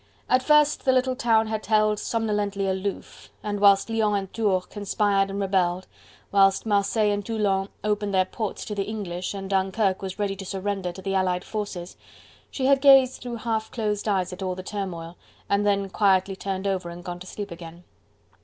At first the little town had held somnolently aloof, and whilst Lyons and Tours conspired and rebelled, whilst Marseilles and Toulon opened their ports to the English and Dunkirk was ready to surrender to the allied forces, she had gazed through half closed eyes at all the turmoil, and then quietly turned over and gone to sleep again.